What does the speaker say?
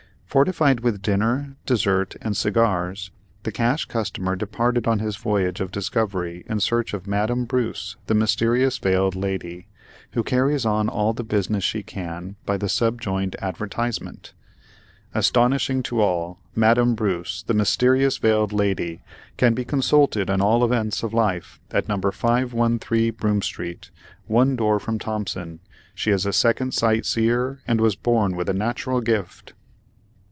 ] Fortified with dinner, dessert, and cigars, the cash customer departed on his voyage of discovery in search of "MADAME BRUCE, THE MYSTERIOUS VEILED LADY," who carries on all the business she can get by the subjoined advertisement: "ASTONISHING TO ALL. Madame BRUCE, the Mysterious Veiled Lady, can be consulted on all events of life, at No. 513 Broome st., one door from Thompson. She is a second sight seer, and was born with a natural gift."